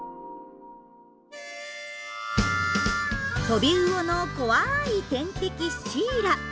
トビウオの怖い天敵シイラ。